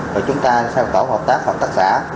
và chúng ta sẽ tổ hợp tác hợp tác xã